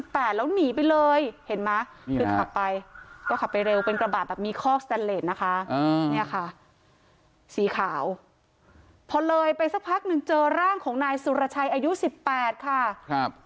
พอเลยไปสักพักหนึ่งเจอร่างของนายสุรชัยอายุสิบแปดค่ะครับ